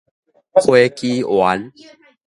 花枝丸